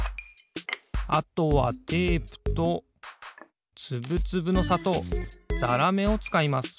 あとはテープとつぶつぶのさとうざらめをつかいます。